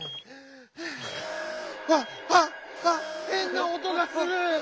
ああっへんな音がする！